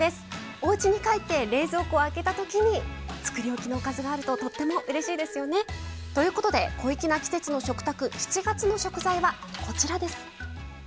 おうちに帰って冷蔵庫を開けたときにつくりおきのおかずがあるととってもうれしいですよね。ということで「小粋な季節の食卓」７月の食材は、こちらです。